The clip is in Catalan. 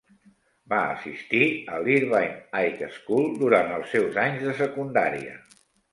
Va assistir a l'Irvine High School durant els seus anys de secundària.